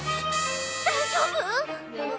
大丈夫？